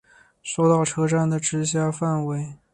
手稻车站的直辖范围。